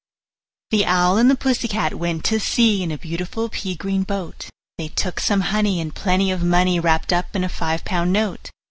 The Owl and the Pussy Cat went to sea In a beautiful pea green boat: They took some honey, and plenty of money Wrapped up in a five pound note.